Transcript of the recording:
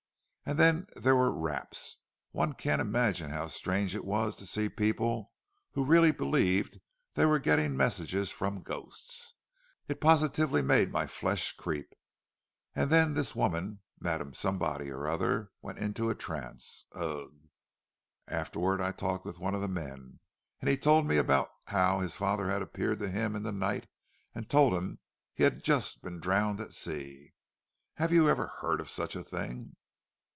And then there were raps—and one can't imagine how strange it was to see people who really believed they were getting messages from ghosts. It positively made my flesh creep. And then this woman—Madame Somebody or other—went into a trance—ugh! Afterward I talked with one of the men, and he told me about how his father had appeared to him in the night and told him he had just been drowned at sea. Have you ever heard of such a thing?"